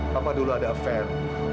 papa dulu ada affair